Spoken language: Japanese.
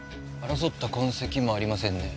争った痕跡もありませんね。